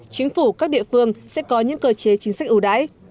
chính phủ các địa phương sẽ có những cơ chế chính sách ưu đãi